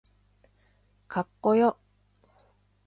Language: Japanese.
かっこよ